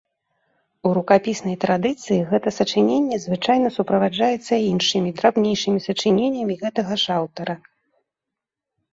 У рукапіснай традыцыі гэта сачыненне звычайна суправаджаецца іншымі, драбнейшымі сачыненнямі гэтага ж аўтара.